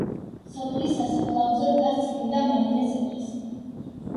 სოფლის სასაფლაოზე დგას წმინდა მარინეს ეკლესია.